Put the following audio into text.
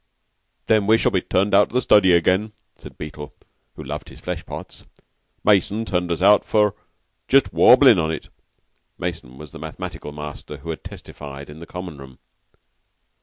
"Then we shall be turned out of the study again," said Beetle, who loved his flesh pots. "Mason turned us out for just warbling on it." Mason was the mathematical master who had testified in Common room.